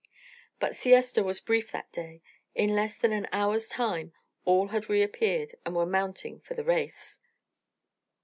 But siesta was brief that day. In less than an hour's time all had reappeared and were mounting for the race.